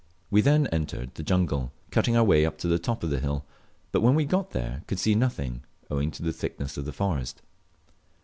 We then entered the jungle, cutting our way up to the top of the hill, but when we got there could see nothing, owing to the thickness of the forest.